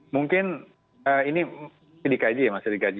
mungkin ini masih dikaji ya mas masih dikaji